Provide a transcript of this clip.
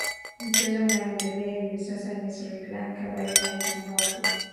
mchezo unaoendelea hivi sasa ni srilanka baina ya zimbabwe